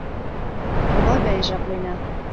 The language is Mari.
Ава гае жаплена».